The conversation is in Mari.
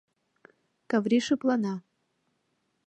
Каври шыплана.